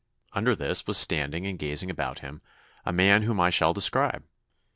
Under this was standing and gazing about him, a man whom I shall describe!